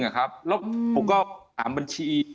แล้วผมก็ถามบัญชี